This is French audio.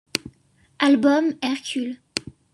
Album Hercule.